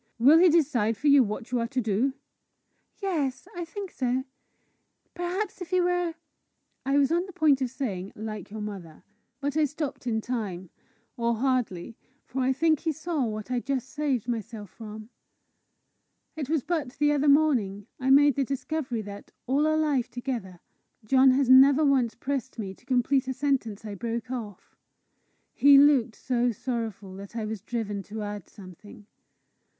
"Will he decide for you what you are to do?" "Yes I think so. Perhaps if he were " I was on the point of saying, "like your mother," but I stopped in time or hardly, for I think he saw what I just saved myself from. It was but the other morning I made the discovery that, all our life together, John has never once pressed me to complete a sentence I broke off. He looked so sorrowful that I was driven to add something.